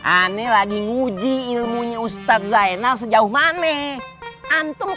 ane lagi nguji ilmunya ustadz zainal sejauh maneh